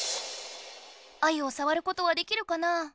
アユをさわることはできるかな？